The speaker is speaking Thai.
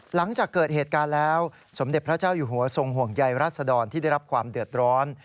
หลังจากเกิดเหตุการณ์แล้วสมเด็จพระเจ้าอยู่หัวทรงห่วงใยรัศดรที่ได้รับความเดือดร้อน